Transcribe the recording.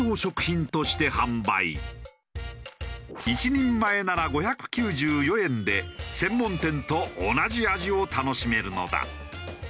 １人前なら５９４円で専門店と同じ味を楽しめるのだ。